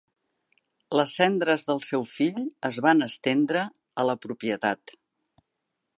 Les cendres del seu fill es van estendre a la propietat.